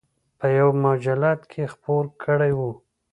په یوه مجلد کې خپور کړی و.